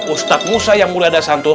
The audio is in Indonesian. ustadz musa yang mulia dan santun